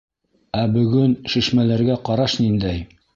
Ә бөгөн шишмәләргә ҡараш ниндәй?